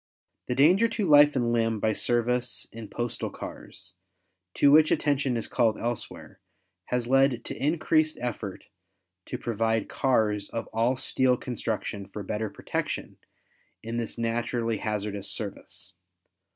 The danger to life and limb by service in postal cars, to which attention is called elsewhere, has led to increased effort to provide cars of all steel construction for better protection in this naturally hazardous service.